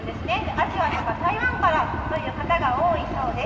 アジアとか台湾からという方が多いそうです。